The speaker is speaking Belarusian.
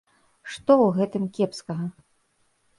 Што ў гэтым кепскага?